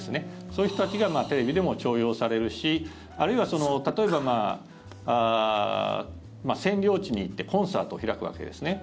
そういう人たちがテレビでも重用されるしあるいは例えば占領地に行ってコンサートを開くわけですね。